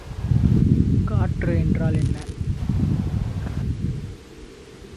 காற்று என்றால் என்ன?